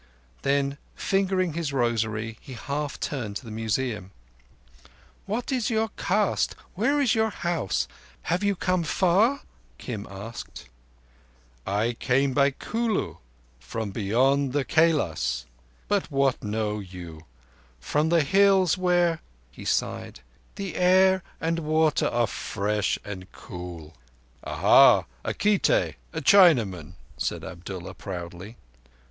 Then, fingering his rosary, he half turned to the Museum. "What is your caste? Where is your house? Have you come far?" Kim asked. "I came by Kulu—from beyond the Kailas—but what know you? From the Hills where"—he sighed—"the air and water are fresh and cool." "Aha! Khitai [a Chinaman]," said Abdullah proudly.